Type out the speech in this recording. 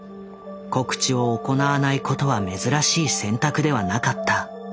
告知を行わないことは珍しい選択ではなかった。